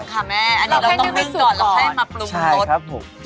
ยังค่ะแม่อันนี้เราต้องนึ่งก่อนแล้วให้มักลุ้มรส